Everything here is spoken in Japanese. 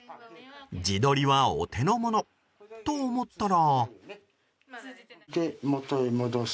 自撮りはお手の物と思ったら。